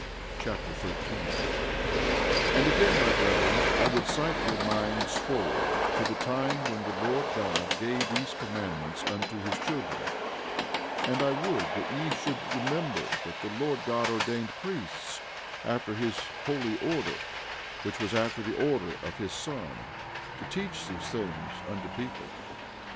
Alma Chapter 13 13:1 And again, my brethren, I would cite your minds forward to the time when the Lord God gave these commandments unto his children; and I would that ye should remember that the Lord God ordained priests, after his holy order, which was after the order of his Son, to teach these things unto the people.